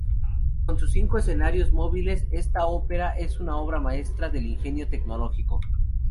Con sus cinco escenarios móviles, esta ópera es una obra maestra del ingenio tecnológico.